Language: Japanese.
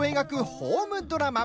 ホームドラマ。